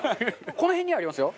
この辺にありますよ。